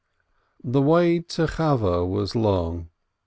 The way to Chaweh was long.